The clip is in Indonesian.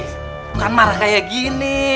bukan marah kayak gini